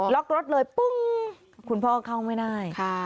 รถเลยปุ้งคุณพ่อเข้าไม่ได้